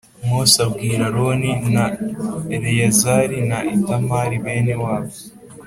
Mose abwira Aroni na Eleyazari na Itamari bene wabo